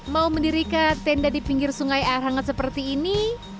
mau mendirikan tenda di pinggir sungai air hangat seperti ini